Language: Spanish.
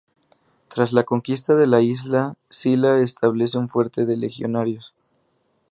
Tras la conquista de la isla, Sila establece un fuerte de legionarios.